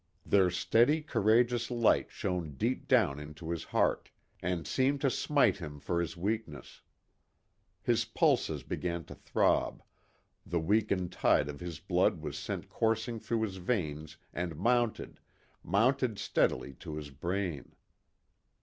Their steady courageous light shone deep down into his heart, and seemed to smite him for his weakness. His pulses began to throb, the weakened tide of his blood was sent coursing through his veins and mounted, mounted steadily to his brain.